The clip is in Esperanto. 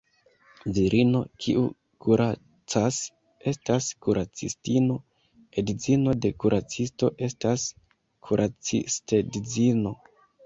Virino, kiu kuracas, estas kuracistino; edzino de kuracisto estas kuracistedzino.